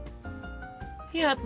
やった！